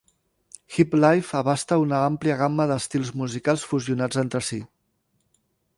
Hiplife abasta una àmplia gamma d'estils musicals fusionats entre si.